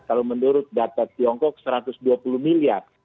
kalau menurut data tiongkok satu ratus dua puluh miliar